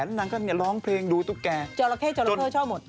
แล้วนางก็ร้องเพลงดูทุกแกจรเคชอบหมด